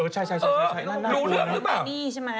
เจรส์รู้เรื่อยปะ